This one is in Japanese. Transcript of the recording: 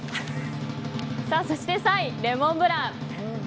そして３位、レモンブラン。